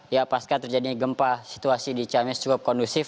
ya pasca terjadinya gempa situasi di ciamis cukup kondusif